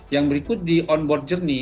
yang berikut di on board jernih